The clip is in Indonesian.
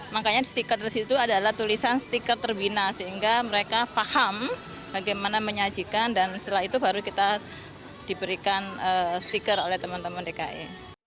makanya stiker tersebut adalah tulisan stiker terbina sehingga mereka paham bagaimana menyajikan dan setelah itu baru kita diberikan stiker oleh teman teman dki